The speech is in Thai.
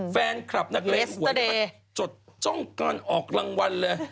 แฟนคลับนักเลงหวยก็จดจ้องการออกรางวัลเลย